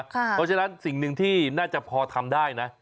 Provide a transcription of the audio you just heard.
เพราะฉะนั้นสิ่งหนึ่งที่น่าจะพอทำได้นะ